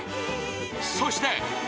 そして！